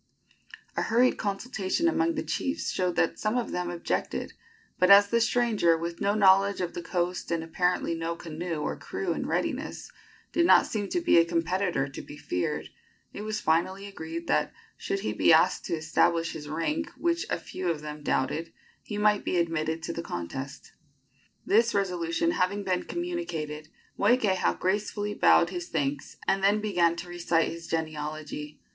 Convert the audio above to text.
A hurried consultation among the chiefs showed that some of them objected; but as the stranger, with no knowledge of the coast and apparently no canoe or crew in readiness, did not seem to be a competitor to be feared, it was finally agreed that, should he be able to establish his rank, which a few of them doubted, he might be admitted to the contest. This resolution having been communicated, Moikeha gracefully bowed his thanks, and then began to recite his genealogy.